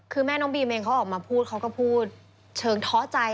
คือแม่น้องบีมเองเขาออกมาพูดเขาก็พูดเชิงท้อใจ